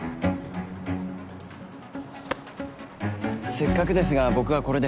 せっかくですが僕はこれで。